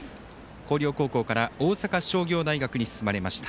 広陵高校から大阪商業大学に進まれました。